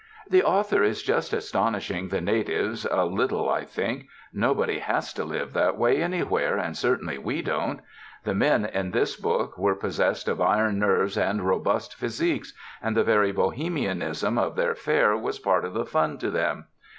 "The author is just astonishing the natives a lit tle, I think; nobody has to live that way anywhere, and certainly we don't. The men in this book were possessed of iron nerves and robust physiques, and the very bohemianism of their fare was part of the fun to them.